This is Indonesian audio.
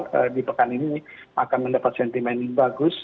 jadi pekan ini akan mendapat sentimen yang bagus